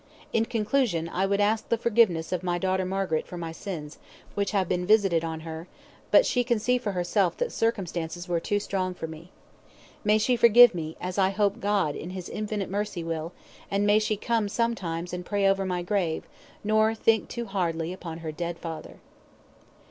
In conclusion, I would ask forgiveness of my daughter Margaret for my sins, which have been visited on her, but she can see for herself that circumstances were too strong for me. May she forgive me, as I hope God in His infinite mercy will, and may she come sometimes and pray over my grave, nor think too hardly upon her dead father."